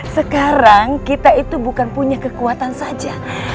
sekarang kita itu bukan punya kekuatan saja